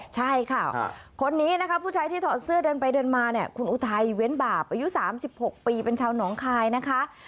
ใช่ค่ะคนนี้นะคะผู้ชายที่ถอดเสื้อเดินไปเดินมาเนี่ยคุณอุทัยเว้นบาปอายุ๓๖ปีเป็นชาวหนองคายนะคะ